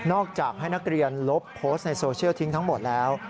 จากให้นักเรียนลบโพสต์ในโซเชียลทิ้งทั้งหมดแล้ว